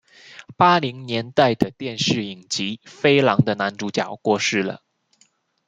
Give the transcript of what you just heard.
八零年代的電視影集《飛狼》男主角過世了